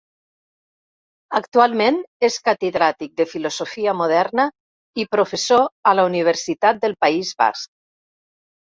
Actualment és catedràtic de Filosofia Moderna i professor a la Universitat del País Basc.